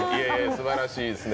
すばらしいですね。